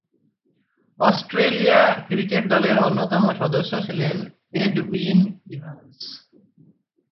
Australia cricket দলের অন্যতম সদস্য ছিলেন এডউইন ইভান্স।